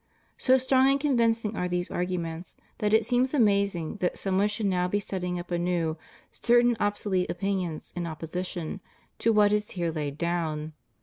So strong and convincing are these arguments, that it seems amazing that some should now be setting up anew certain obsolete opinions in opposition to what is here laid down.